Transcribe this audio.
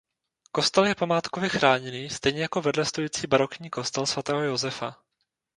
Kostel je památkově chráněný stejně jako vedle stojící barokní kostel svatého Josefa.